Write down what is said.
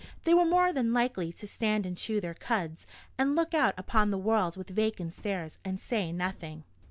They were more than likely to stand and chew their cuds and look out upon the world with vacant stares and say nothing.